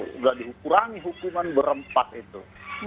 sudah dikurangi hukuman berempat itu